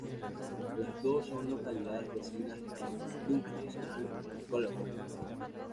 Las dos son localidades vecinas en Dumfries and Galloway.